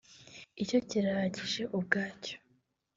icyo kirahagije ubwacyo